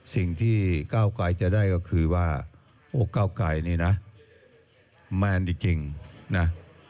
สิ่งที่ก้าวไกลจะได้ก็คือว่าโอ้เก้าไกรนี่นะแมนจริงนะ